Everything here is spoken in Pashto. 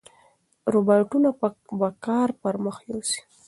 روباټونه به کار پرمخ یوسي.